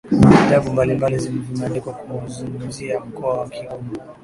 vitabu mbalimbali vimeandikwa kuuzungumzia mkoa wa Kigoma